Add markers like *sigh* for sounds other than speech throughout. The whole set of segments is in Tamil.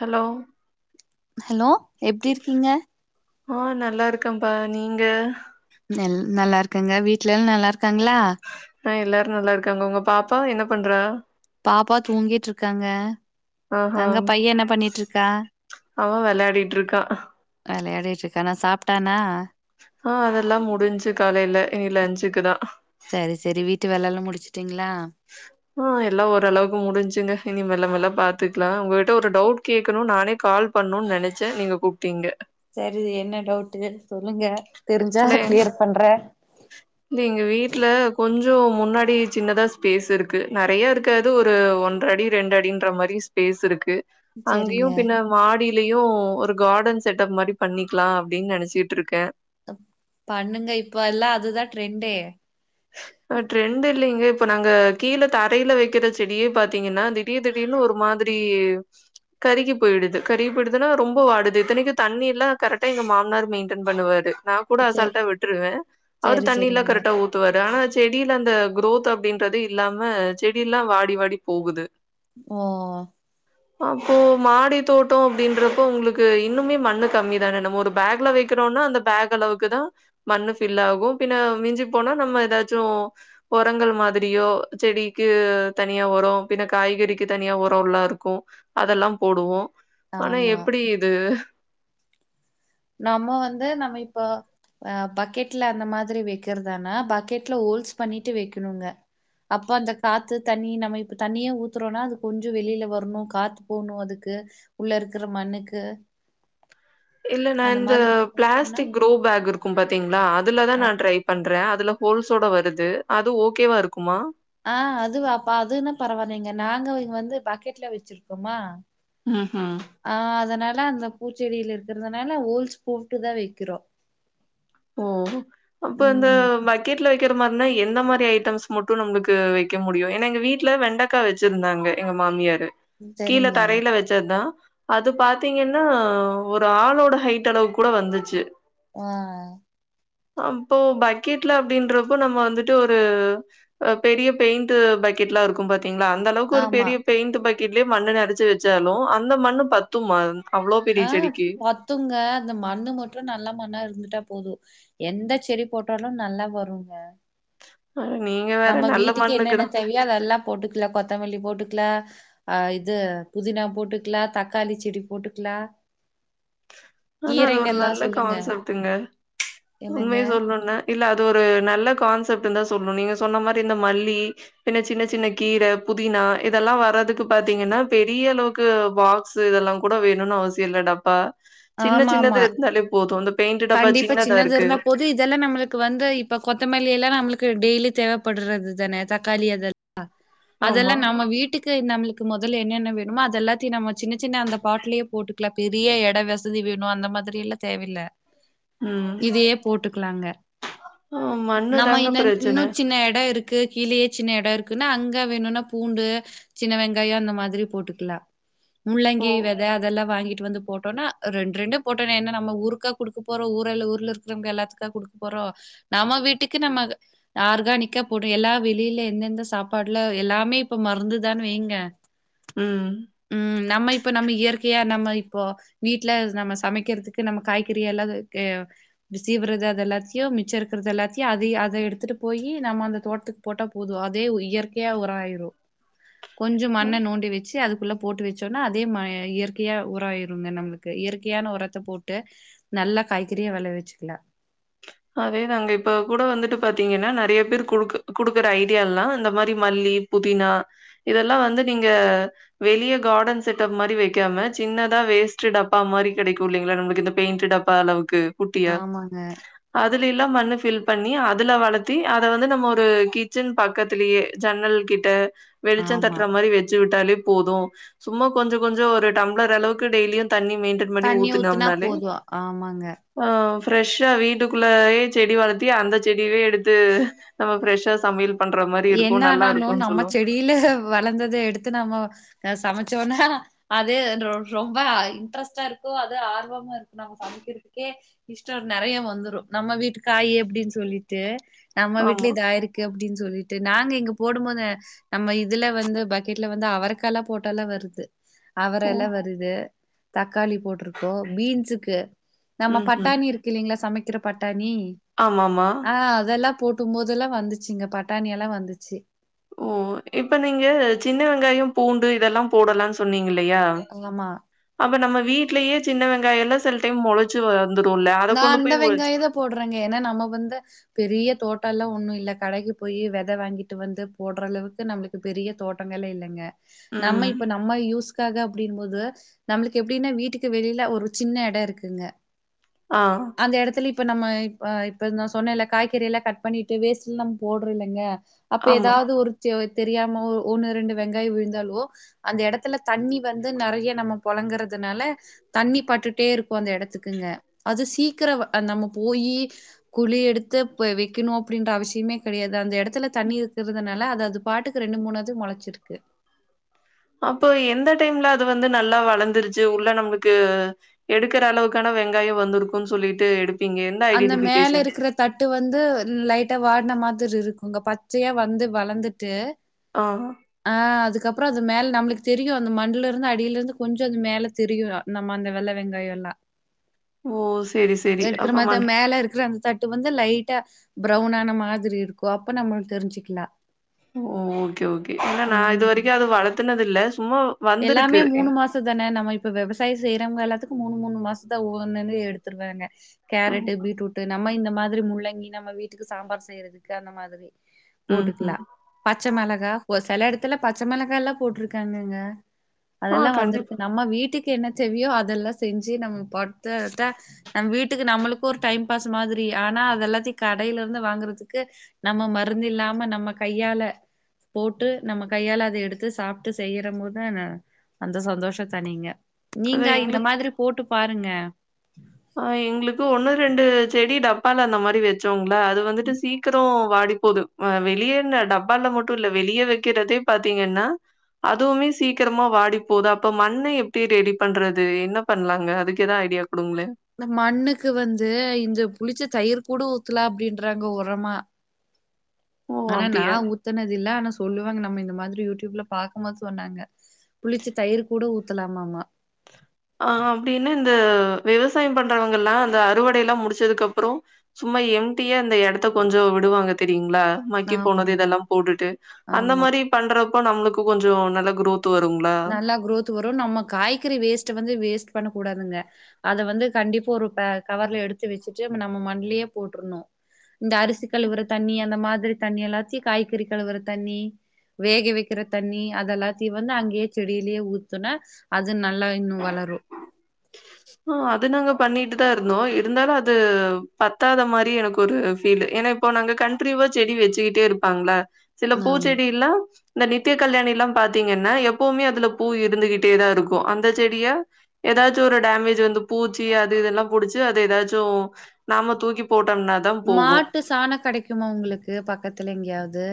ஹலோ ஹலோ எப்டி இருக்கீங்க ஆ நல்லா இருக்கப்பா நீங்க நல் நல்லா இருக்கங்க வீட்டு்லல்லா நல்லா இருக்காங்களா ஆ எல்லாரு நல்லா இருக்காங்க உங்க பாப்பா என்ன பண்றா பாப்பா தூங்கிட்ருக்காங்க ஆஹா அங்க பையே என்ன பண்ணிட்ருக்கா ப்டின்ருக்கா ட்டுருக்கானா சாப்ட்டானா ஆ அதெல்லா முடிஞ்சு காலையில இனி லஞ்சுக்குதா சரி சரி வீட்டு வேலல்லா முடிச்சுட்டீங்களா ஆ எல்லா ஓரளவுக்கு முடிஞ்சுங்க இனி மெல்ல மெல்ல பாத்துக்கலா உங்ககிட்ட ஒரு டவுட் கேக்கணு நானே கால் பண்ணுன்னு நெனச்சே நீங்க கூப்டீங்க தெரியுது என்ன டவுட்டு சொல்லுங்க தெரிஞ்சா இல்ல எங் கிளியர் பண்றே இங்க எஙக வீட்டுல கொஞ்ச துவு முன்னாடி சின்னதா ஸ்பேஸ் இருக்கு நெறையா இருக்காது ஒரு ஒன்றடி ரெண்றடின்ற மாரி ஸ்ஃபேஸ் ஸ்ஃபேஸ் இருக்கு அங்கயு சரிங்க பின்ன மாடியு ட்லயு ஒரு காடன் செட்டப் மாரி பண்ணிக்லா அப்டின்னு நெனச்சுகிட்டுருக்கே பண்ணுங்க இப்ப எல்லா அதுதா ட்ரெண்டே ஆ ட்ரெண்டு் இல்லைங்க இப்ப நாங்க கீழ தரையில வைக்கிற செடியே பாத்தீங்கன்னா திடீர் திடீர்னு ஒரு மாதிரி கருகி போயிடுது கருகி போயிடுதுனா ரொம்ப வாடுது இத்தனைக்கூ தண்ணி எல்லா கரெக்டா எங்க மாமனார் மெயின்டன் பண்ணுவாரு நா கூட சே அசால்ட்டா விட்ருவே அவரு சரி தண்ணியில்லா சரிங்க கரெக்டா ஊத் ஆனா செடியில அந்த குரோத் அப்டின்றது இல்லாம செடி எல்லா வாடி வாடி போகுது ஓ அப்போ மாடி தோட்டோ அப்டின்றப்போ உங்களுக்கு இன்னுமே மண்ணு கம்மி தானே நம்ம ஒரு ஃபேக்ல வைக்க க்கனுனா அந்த ஃபேக் அளவுக்கு தா மண்ணு ஃபில்லாகு பின்ன மிஞ்சிப் போனா நம்ம எதாச்சு ஒரங்கள் மாதிரியோ செடிக்கு தனியா ஒரோ பின்ன காய் கரிக்கு தனியா ஒறோல்லா இருக்கூ அதல்லா போடுவோ ஆனா ஆமா எப்டி இது நம்ம வந்து நம்ம இப்ப ஆ பக்கெட்ல அந்த மாதிரி வைக்கிறதானா பக்கெட்ல ஹோல்ஸ் பண்ணிட்டு வெக்கணுங்க அப்ப அந்த காத்து தண்ணி நம்ம இப்ப தண்ணியே ஊத்துறோன்னா அது கொஞ்ச வெளியில வரணு காத்து போகணு அதுக்கு உள்ள இருக்குற மண்ணுக்கு இல்ல நா அந்த இந்த மாதிரி போனோனா பிளாஸ்டிக் க்ரு பேக் இருக்கும் பாத்தீங்ளா அதுல தா அ நா ட்ரை பண்றே அதுல ஹோல்ஸோட வருது அது ஓகேவா இருக்குமா ஆ அது வாப்பா அதுன்ன பரவில்லைங்க நாங்க இங்க வந்து பக்கெட்ல வச்சிருக்கோமா ஹ ஹ னா அந்த பூச்செடியில இருக்கிறதுனால ஓல்ஸ் போட்டு தா வக்கிறோ ஓ அப்ப இந்த பக்கெட்ல க்கிற மாரினா என்ன மாரி ஐட்டம்ஸ் மட்டு நம்மளுக்கு வக்க முடியு ஏனா எங்க வீட்ல வெண்டக்கா வச்சிருந்தாங்க எங்க மாமியார் கீழ சரிங்க தரைல வச்சது தா அது பாத்தீங்கன்னா ஒரு ஆளோட ஹைட் அளவு கூட வந்துச்சு அ அப்போ பக்கெட்ல அப்டின்றப்போ நம்ம வந்துட்டு ஒரு பெரிய பெயிண்ட்டு பக்கெட்லா இருக்கும் பா தீங்ளா அந்த அளவுக்கு ஒரு ஆமா பெரிய பெயிண்ட் பக்கெட்லயே மண்ணு நெரச்சு வச்சாலு அந்த மண்ணு பத்துமா அவ்ளோ பெரிய ஆ செடிக்கு பத்துங்க அந்த மண்ணு மட்டு நல்லா மண்ணா இருந்துட்டா போது எந்த செடி போட்டாலு நல்லா வருங்க நீங்க வேற நம்ம நல்ல வீட்டுக்கு என்னென்ன மண்ணுக்குதா தேவயோ அதெல்லா போட்டுக்கலா கொத்தமல்லி போட்டுக் க்லா அ இது புதினா போட்டுக்லா தக்காளி செடி போட்டுக்லா ஆனா அது ஒரு நல்ல கான்சப்ட்ங்க என்னங்க உண்மைய சொல்னுனா இல்ல இது ஒரு நல்ல கான்செப்ட்ந்தா சொல்லனு நீங்க சொன்ன மாரி இந்த மல்லி பின்ன சின்ன சின்ன கீர புதி னா இதெல்லா வர்ற துக்கு பாத்தீங்கன்னா பெரிய அளவுக்கு பாக்ஸு இதெல்லா கூட வேணுனு அவசியம் இல்ல டப்பா சின்ன ஆமா சின்னது ஆமா ந்தாலே போது அந்த கண்டிப்பா சின்னது இருந்தா போது இதெல்லா நம்மளுக்கு வந்து இப்ப கொத்தமல்லி எல்லா நம்மளுக்கு டெய்லி தேவைப்படுறது தானே தக்காளி அதெல்லா அதெல்லா ஆமாமா. நம்ம வீட்டுக்கு நம்ளு மொதல்ல என்னென்ன வேணுமோ அது எல்லாத்தையு நம்ம சின்ன சின்ன அந்த பாட்லயே போட்டுக்லா பெரிய எட வசதி வேணு அந்த மாரி மாதிரி எல்லா தேவ இல்ல ம். இதயே போட்டுக்கலாங்க அ மண்ணு நம்ம தாங்க இந்த பிரச்சன. இன்னு சின்ன எட இருக்கு கீழயே சின்ன எட இருக் க்குனா அங்க வேணுனா பூண்டு சின்ன வெங்காய அந்த மாதிரி போட்டுக்லா முள்ளங்கி ஓ! வித அதெல்லா வாங்கிட்டு வந்து போட்டோனா ரெண்டு ரெண்டு போட்டோனா என்ன நம்ம ஊருக்கா குடுக்க போறோ ஊரல்ல ஊர்ல இருக்கிறவுங்க எல்லாத்துக்கா குடுக்க போறோ நம்ம வீட்டுக்கு நம்ம ஆர்கானிக்கா போடு எல்லா வெளியில எந்தெந்த சாப்பாடுலா எல்லாமே இப்ப மறந்துதா வைங்க ம். ம் நம்ம இப்ப நம்ம இயற் கியா நம்ம இப்போ வீட்ல நம்ம சமைக்கிறதுக்கு நம்ம காய் கிரிய எல்லாது எ சீவுறது அது எல்லாத்யு மிச்ச இருக்கிறது எல்லாத்யுஅத அத எடுத்துட்டு போய் ந நம்ம அந்த தோட்டத்துக்கு போட்டா போது அதே இயற்கையா ஒரம் ஆயிரு கொஞ்சம் அ. மண்ண நோண்டி வச்சு அதுக் குள்ள போட்டு வச்சோம்ன்னா அதே ம இயற்கையா ஒரம் ஆயிருங்க நம்மளுக்கு இயற்கையான ஒரத்த போட்டு நல்ல காய்கறிய விளைவிச்சுக்லா அதே தாங்க இப்ப கூட வந்துட்டு பாத்தீங்கன்னா நெறய பேர் குடுக்கு குடுக்குற ஐடியாலா இந்த மாரி மல்லி இ புதினா இதெல்லா வந்து நீங்க வெளிய கார்டன் செட்டப் மாரி வக்காம சின்ன தா வேஸ்ட்டு டப்பா மாரி கெடைக்கு இல்லைங்ளா நம்மளுக்கு இந்த பெயிண்ட்டு டப்பா அளவுக்கு ஆமாங்க பில்லா மண்ணு ஃபில் பண்ணி அதுல வளத்தி அத வந்து நம்ம ஒரு கிச்சன் பக்கத்திலேயே ஜன்னல் கிட்ட ஆமா வெளிச்சந்தட்டுற மாரி வெச்சு விட்டாலே போது சும்மா கொஞ்ச கொஞ்சோ ஒரு டம்ளர் அளவுக்கு டெய்லியு தண்ணி மெயின்டன் பண்ணி தண்ணி ஊத்துனா ஊத்துனோம்னாலே போது ஆமாங்க அ ஃப்ரெஷ்ஷா வீட்டுக்குள்ளயே செடி வளத்தி அந்த செடியவே எடுத்து நம்ம ஃப்ரெஷ்ஷா சமையல் பண்ற மாரி என்ன இருக்கு நல்லா ஆனாலு இருக்குன்னு நம்ம சொல்லுவாங்க செடியில வளந்தத எடுத்து நம்ம அ சமச் சோனா அது ரொ ரொம்ப இன்ட்ரெஸ்ட்டா இருக்கு அது ஆர்வமா இருக்கு நம் சமைக்கிறதுக்கே இஷ்டர் நெறய வந்துரு நம்ம வீட்டுக்காய் அப்டின் சொல்லிட்டு நம்ம ஆமா வீட்டுலயு இதாயிருக்கு அப்டின் சொல்லி நாங்க இங்க போடும் போது நம்ம இதுல வந்து பக்கெட்ல வந்து அவரைக்க எல்லா போட்டாலா வருது ஓ அவரெல்ல வருது தக்காளி போட்ருக்கோ பீன்ஸுக்கு நம்ம ம்ஹ்ம் பட்டாணி இருக்கு இல்லைங்களா சமைக்கிற பட்டாணி ஆமாமா ஆ அதெல்லா போட்டும் போதெல்லா வந்துச்சுங்க பட்டானியல்லா வந்துச்சு ஓ இப்ப நீங்க சின்ன வெங்காயம் பூண்டு இதெல்லா போடலானு சொன்னீங்க இல்லையா ஆமா அப்ப நம்ம வீட்லயே சின்ன வெங்காயல்லா சில டைம் முளைச்சு நான் அந்த வெங்காய தான் போடுறேங்க ஏன்னா நம்ம வந்து பெரிய தோட்டல்லா ஒண்ணு இல்லை கடைக்கு போய் விதை வாங்கிட்டு வந்து போடுற அளவுக்கு நம்மளுக்கு பெரிய தோட்டங்கள் இல்லைங்க நம்ம ம் இப்ப நம்ம யூஸ் வீட்டுக்காக அப்படின்போது நம்மளுக்கு எப்படின்னா வீட்டுக்கு வெளியில ஒரு சின்ன எட இருக்குங்க ஆ அந்த எடத்துல இப்போ நம்ம இப்ப இப்போ நான் சொன்னே இல்லை காய்கற எல்லா கட் பண்ணிட்டு வேஸ்ட் எல்லா நம்ம போடுற இல்லைங்க அப்ப ஆமா ஏதாவது ஒரு தெரியாம ஒரு ஒண்ணு ரெண்டு வெங்காய விழுந்தாலோ அந்த எடத்துல தண்ணி வந்து நறைய நம்ம புழங்குறது அதனால தண்ணி பட்டுட்டே இருக்கு அந்த எடத்துக்குங்க அது சீக்கிர நம்ம போயி குழி எடுத்து வைக்கணு அப்டின்ற அவசியமே கிடையாது அந்த எடத்துல தண்ணி இருக்கிறதுனால அது அது பாட்டுக்கு ரெண்டு மூணது முளைச்சிருக்கு அப்போ எந்த டைம்ல அது வந்து நல்லா வளர்ந்துருச்சு உள்ள நம்மளுக்கு எடுக்கற அளவுக்கான வெங்காய வந்திருக்குன்னு சொல்லிட்டு எடுத்து அந்த மேல இருக்கிற தட்டு வந்து லைட்டா வாட்ன மாதி இருக் உங்க பச்சையா வந்து வளர்ந்துட்டு ஆ ஆ அதுக்கப் அப்புற அது மேல நம்மளுக்கு தெரியு அந்த மண்ல இருந்து அடியில இருந்து கொஞ்ச அது மேல தெரியு நம்ம அந்த வெள்ளை வெங்காய எல்லா ஓ சேரி சேரி இருக்கிற மாத மேல இருக்கிற அந்த தட்டு வந்து லைட் லைட்டா பிரௌன் ஆன மாதிரி இருக்கு அப்ப நம்மளுக் தெரிஞ்சுக்கலா ஓ ஓகே ஓகே என்ன நான் இது ம். வரைக்கு அது வளர்த்துனது இல்ல சும்மா வந்திருக்கு காசுதானே நம்ம இப்ப விவசாய செய்யறங்கல்லாத்துக் மூணு மூணு மாசத்தல ஒன்னுன்னு எடுத்துடுவாங்க ம். கேரட்டு பீட்ரூட்டு நம்ம இந்த மாதிரி முள்ளங்கி நம்ம வீட்டுக்கு சாம்பார் செய்யறதுக்கு அந்த மாதிரி போட்டுக்கலா ம்ஹ்ம். பச்சை மெளகா சில இடத்துல பச்சை மெளகா எல்லா போட்ருக்காங்குங்க ஆ அதெல்லா வந்திருக்கு கண்டிப்பா. நம்ம வீட்டுக் என்ன தேவையோ அதெல்லா செஞ்சு நம்ம *inaudible* நம்ம வீட் *inaudible* நம்மளுக்கும் ஒரு டைம் பாஸ் மாதிரி ஆனா அத எல்லாத்தையு கடையில இருந்து வாங்குறதுக்கு நம்ம மருந்து இல்லாம நம்ப நம்ம கையால போட்டு நம்ம கையால அதை எடுத்து சாப்ட்டு செய்யற போது அந்த சந்தோஷ தனிங்க அது நீங்க இந்த எங்களுக்கு மாதிரி போட்டு பாருங்க அ எங்களுக்கு ஒண்ணு ரெண்டு செடி டப்பால்ல அந்த மாரி வச்சோங்களா அது வந்துட்டு சீக்கிர வாடிப்போது ஆ வெளியேன்ன டப்பால மட்டு இல்ல வெளியே வைக்கிறதே பாத்தீங்கன்னா அதுவுமே சீக்கிரமா வாடி போது அப்ப மண்ண எப்டி ரெடி பண்றது என்ன பண்லாங்க அதுக்கு எதா ஐடியா கொடுங்களே இந்த மண்ணுக்கு வந்து இந்த புளிச்ச தயிர் கூட ஊத்துல அப்படின்றாங்க உரமா ஓ! ஆனா அப்படியா? நான் ஊத்தனது இல்ல ஆனா சொல்லுவாங்க நம்ம இந்த மாதிரி யூடியூப்ல பார்க்கும்போது சொன்னாங்க புளிச்சு தயிர் கூட ஊத்தலாமாமா ஆ அப்டின்னு இந்த விவசாயம் பண்றவங்க எல்லா அந்த அறுவடை எல்லா முடிச்சதுக்கு அப்புற சும்மா எம்டிய அந்த இடத்த கொஞ்ச விடு வாங்க தெரியுங் மக்கி ஆமா போனது இதெல்லா போட்டுட்டு அந்த ஆமா மாரி பண்றப்ப நம்மளுக்கு கொஞ்ச நல்ல குரோத் வருங்களா நல்லா குரோத் வரு நம்ம காய்கறி வேஸ்ட் வந்து வேஸ்ட் பண்ணக்கூடாதுங்க அத வந்து கண்டிப்பா ஒரு கவர்ல எடுத்து வச்சுட்டு நம்ம மண்லையே போற்றனு இந்த அரிசி கழுவுற தண்ணி அந்த மாதிரி தண்ணி எல்லாத்தையு காய்கறி கழுவுற தண்ணி வேக வக்கிற தண்ணி அதெல்லாத்தையு வந்து அங்கேயே செடியிலே ஊத்துனா அது நல்லா இன்னு வளரு ஆ அதனால பண்ணிட்டு தா இருந்தோ இருந்தாலு அது பத்தாத மாரி எனக்கு ஒரு ஃபீல்லு ஏனா இப்போ நாங்க கண்ட்ரி இப்ப செடி வெச்சுக்கிட்டே இருப்பாங்ள சில ஆமா பூச்செடிலா இந்த நித்ய கல்யாணிலா பாத்தீங்கனா எப்பவுமே அதுல பூ இருந்துகிட்டேதா இருக்கு அந்த செடிய எதாச்சு ஒரு டேமேஜ் வந்து பூச்சி அது இதெல்லா புடிச்சு அது எதாச்சு நாம தூக்கிப் மாட்டு சாண கெடைக்குமா உங்களுக்கு பக்கத்துல எங்யாவ்து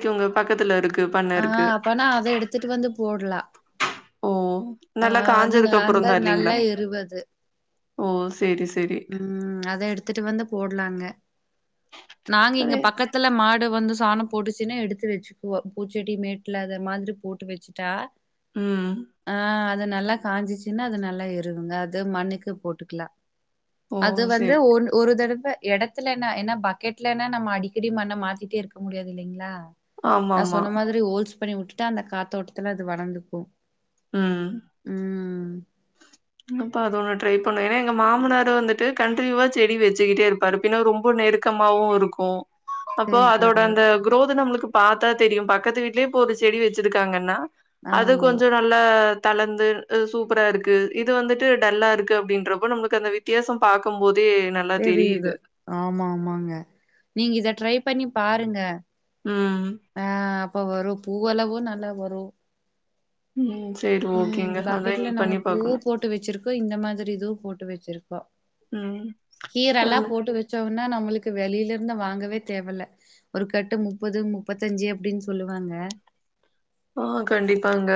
இவ்ங்க பக்கத்துல இருக்கு பண்ண ஆ இருக்கு அப்பனா அத எடுத்துட்டு வந்து போட்லா ஓ நல்லா காஞ்சதுக்கு அந்த அப்பறந்தா நல்ல இல்லைங்ளா எருவு அது. ஓ சேரி சேரி ம் அத எடுத்துட்டு வந்து போட்லாங்க நாங்க இங்க அதே பக்கத்துல மாடு வந்து சாணம் போட்டுச்சுனா எடுத்து வெச்சுக்குவோ பூச்செடி மேட்ல அத மாந்திரி போட்டு வச்சுட்டா ம் ஆ அது நல்லா காஞ்சிச்சுனா அது நல்லா எருவுங்க அது மண்ணுக்கு போட்டுக்லா ஓ அது வந்து சேரி ஓன் ஒரு தடவ் வ எடத்துலனா ஏனா பக்கெட்லனா நம்ம அடிக்கடி மண்ண மாத்திட்டே இருக்க முடியாது இல்லைங்ளா ஆமா நா ஆமா சொன்ன மாதிரி ஓல்ஸ் பண்ணி வுட்டுட்டா அந்த காத்தோட்டத்துல அது வளந்துக்கு ம் ம் அப்ப அத ஒன்னு ட்ரை பண்ணு ஏனா எங்க மாமனாரு வந்துட்டு கண்ட்னியூவா செடி வச்சுக்கிட்டே இருப்பாரு பின்னால் ரொம்ப நெருக்கமாவு இருக்கு அப்போ சேரி அதோட சேரி அந்த குரோது நம்மளுக்கு பாத்தா தெரியு பக்கத்து வீட்லே இப்ப ஒரு செடி வெச்சிருக்காங்கன்னா அது ஆமா கொஞ்ச நல்லா தளர்ந்து அ சூப்பரா இருக்கு இது வந்துட்டு டல்லா இருக்கு அப்படின்றப்ப நம்மளுக்கு அந்த வித்தியாச பாக்கம் போது தெரியிது ஆமா ஆமாங்க நீங்க இத ட்ரை பண்ணி பாருங்க ம் இப்ப வரு பூ அளவு நல்லா வரு ம் சரி ம் ஓகேங்க. அதான் பக்கெட்ல இனி நாங்க பண்ணி பூவு பாக்கணும். போட்டு வெச்சிருக்கோ இந்த மாதிரி இதுவு போட்டு வெச்சிருக்கோ ம். அ கீரலா போட்டு வச்சோனா நம்மளுக்கு வெளில ந்த வாங்கவே தேவல்ல ஒரு கட்டு முப்பது முப்பத்தஞ்சு அப்டின் சொல்லுவாங்க ஆ கண்டிப்பாங்க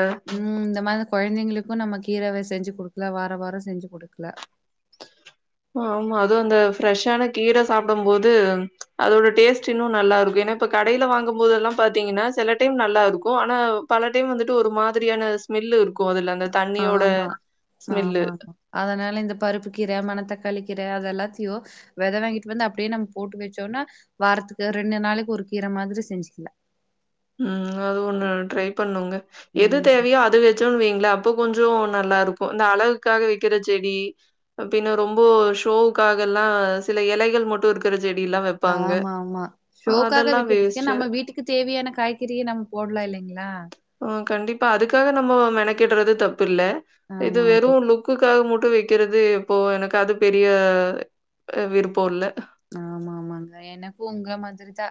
அ கொழந்தைங்களுக்கு நம்ம கீரவே செஞ்சு குடுக்லா வார வார செஞ்சு குடுக்லா ஆமா அதுவு அந்த ஃப்ரெஷ்ஷான கீரஸ் சாப்டும் போது அதோட டேஸ்ட் இன்னு நல்லா இருக்கு ஏனா இப்ப கடைல வாங்கும் போதுலா பாத்தீங்கனா செல டைம் நல்லா இருக்கு ஆனா பல டைம் வந்துட்டு ஒரு மாதிரியான ஸ்மெல் இருக்கு அதுல அந்த தண்ணியோட ஆமா ஸ்மெல்லு. ஆமாக்கா அதனால இந்த பருப்பு கீர மனத்தக் க்காளிக்கீர அத எல்லாத்தையு வெத வாங்கிட்டு வந்து அப்டியே நம் போட்டு வச்சோனா வாரத்துக்கு ரெண்டு நாளைக்கு ஒருக் கீர மாதிரி செஞ்சுக்கலா ம் அது ஒன்னு ட்ரை பண்ணுங்க எது ம் தேவையோ அது வெச்சு துன்வீங்ள அப்போ கொஞ்சொ நல்லா இருக்கு இந்த அழகுக்காக வெக்கிற செடி பின்ன ரொம்போ ஷோவுக்காகலா சில எலைகள் மட்டு இருக்குற ஆமாம்மா ஷோக்காக அதெல்லாம் வெக்கற்துக்கு வேஸ்ட்டு. நம்ம வீட்டுக்கு தேவையான காய் கிறிய நம்ம போட்லா இல்லைங்ளா ஆ கண்டிப்பா அதுக்காக நம்ம மெனக்கெட்றது தப்பு இல்ல இது ஆமா வெறு ஆமா. லுக்குக்காக மட் ட்டு வெக்கிறது எப்பவு எனக்கு அது பெரிய அ விருப்போ இல்ல ஆமா ஆமாங்க எனக்கு உங்க மாதிரிதா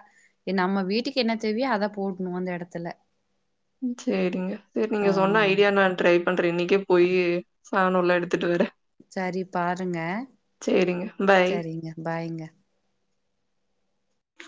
எ நம்ம வீட்டுக்கு என்ன தேவையோ அத போட்ணு அந்த எடத்துல சேரிங்க சேரி நீங்க சொன்ன ஆமாங்க. ஐடியா நா ட்ரை பண்றே இன்னைக்கே போயி சாணோல்லா எடுத்துட்டு வரே சரி பாருங்க, சரிங்க. பாய். சரிங்க பாய்ங்க.